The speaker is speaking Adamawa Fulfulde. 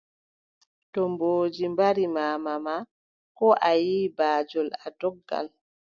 To mboodi mbari maama ma, koo a yiʼi baajol, a doggan.